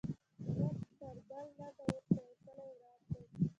ژوند پر بل لټ اوښتی او کلی وران دی.